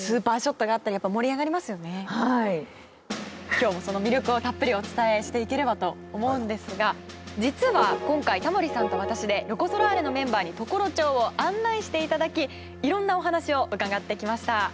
今日もその魅力をたっぷりお伝えしていければと思うんですが実は今回タモリさんと私でロコ・ソラーレのメンバーに常呂町を案内していただきいろんなお話を伺ってきました。